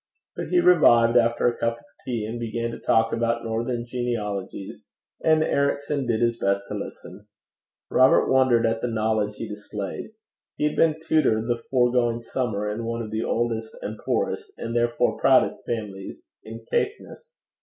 But he revived after a cup of tea, and began to talk about northern genealogies; and Ericson did his best to listen. Robert wondered at the knowledge he displayed: he had been tutor the foregoing summer in one of the oldest and poorest, and therefore proudest families in Caithness.